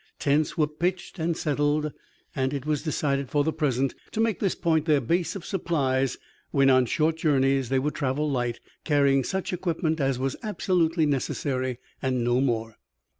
Tents were pitched and settled. It was decided for the present to make this point their base of supplies. When on short journeys they would travel light, carrying such equipment as was absolutely necessary, and no more.